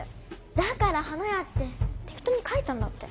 だから「花屋」って適当に書いたんだって。